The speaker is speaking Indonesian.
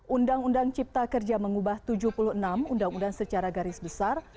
undang undang cipta kerja mengubah tujuh puluh enam undang undang secara garis besar